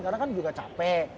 karena kan juga capek